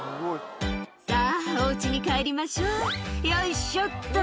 「さぁおうちに帰りましょうよいしょっと」